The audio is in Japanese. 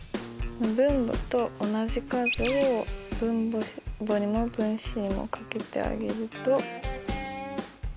分母と同じ数を分母にも分子にもかけてあげると。